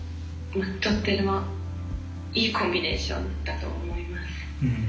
とてもいいコンビネーションだと思います。